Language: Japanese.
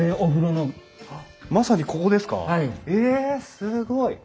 すごい。